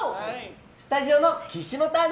スタジオの岸本アナ